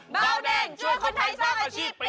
เบาแดงช่วยคนไทยสร้างอาชีพปี